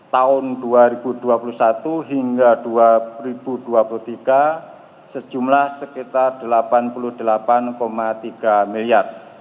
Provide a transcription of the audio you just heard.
tahun dua ribu dua puluh satu hingga dua ribu dua puluh tiga sejumlah sekitar rp delapan puluh delapan tiga miliar